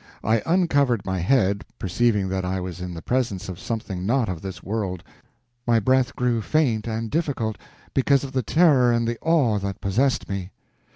I uncovered my head, perceiving that I was in the presence of something not of this world. My breath grew faint and difficult, because of the terror and the awe that possessed me.